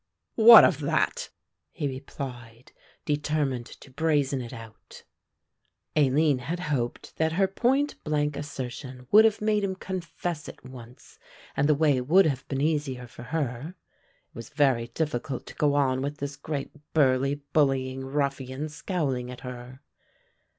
"What of that?" he replied, determined to brazen it out. Aline had hoped that her point blank assertion would have made him confess at once and the way would have been easier for her; it was very difficult to go on with this great burly bullying ruffian scowling at her.